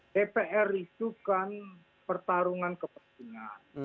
dpr itu kan pertarungan kepentingan